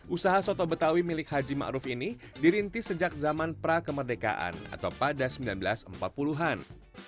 usaha soto betawi milik haji ma'ruf ini dirintis sejak zaman pra kemerdekaan atau pada seribu sembilan ratus empat puluh an